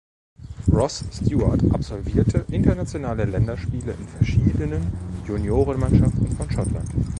Ross Stewart absolvierte internationale Länderspiele in verschiedenen Juniorenmannschaften von Schottland.